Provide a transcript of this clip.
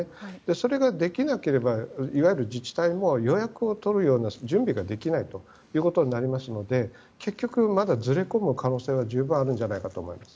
それができなければいわゆる自治体も予約を取るような準備ができないということになりますので結局まだ、ずれ込む可能性は十分あるんじゃないかと思います。